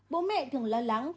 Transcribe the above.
bố mẹ thường lo lắng